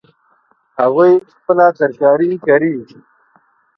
هغوی خپله ترکاري کري